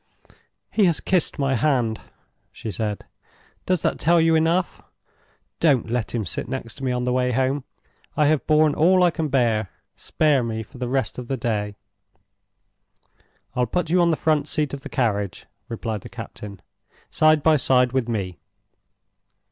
"He has kissed my hand," she said. "Does that tell you enough? Don't let him sit next me on the way home! I have borne all I can bear—spare me for the rest of the day." "I'll put you on the front seat of the carriage," replied the captain, "side by side with me."